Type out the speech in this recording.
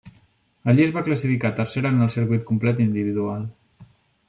Allí es va classificar tercera en el circuit complet individual.